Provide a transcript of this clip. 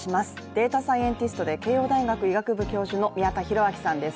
データサイエンティストで慶応大学医学部教授の宮田裕章さんです。